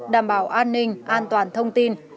đảm bảo an ninh an toàn thông tin